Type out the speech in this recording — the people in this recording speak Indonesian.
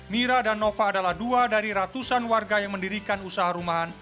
mira dan nova adalah dua dari ratusan warga yang mendirikan usaha rumahan